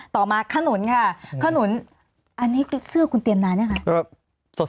ต่อมาขนุนค่ะขนุนอันนี้เสื้อคุณเตรียมนานยังคะ